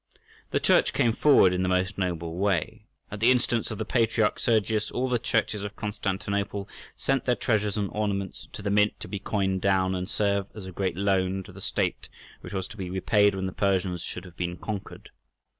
The Church came forward in the most noble way—at the instance of the Patriarch Sergius all the churches of Constantinople sent their treasures and ornaments to the mint to be coined down, and serve as a great loan to the state, which was to be repaid when the Persians should have been conquered.